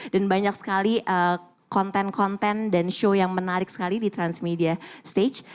dan banyak sekali konten konten dan show yang menarik sekali di transmedia stage